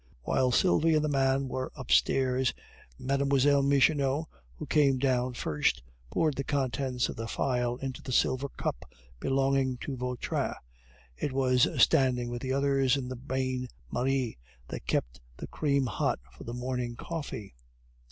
While Sylvie and the man were upstairs, Mlle. Michonneau, who came down first, poured the contents of the phial into the silver cup belonging to Vautrin it was standing with the others in the bain marie that kept the cream hot for the morning coffee.